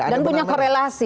dan punya korelasi